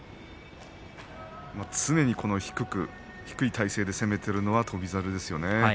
常に低い体勢で攻めているのは翔猿ですね。